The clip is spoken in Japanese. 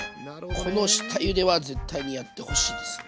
この下ゆでは絶対にやってほしいですね。